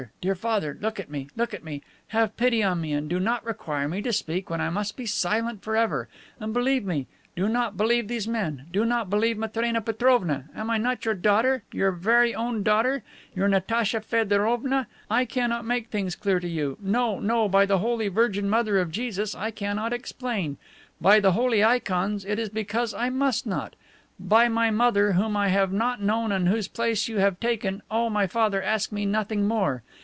Dear Father! Look at me! Look at me! Have pity on me, and do not require me to speak when I must be silent forever. And believe me! Do not believe these men! Do not believe Matrena Petrovna. And am I not your daughter? Your very own daughter! Your Natacha Feodorovna! I cannot make things dear to you. No, no, by the Holy Virgin Mother of Jesus I cannot explain. By the holy ikons, it is because I must not. By my mother, whom I have not known and whose place you have taken, oh, my father, ask me nothing more!